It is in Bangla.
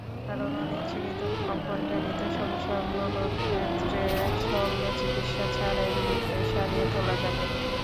কারণ অনিচ্ছাকৃত কম্পনজনিত সমস্যাগুলোর ক্ষেত্রে শল্যচিকিৎসা ছাড়াই রোগীকে সারিয়ে তোলা যাবে।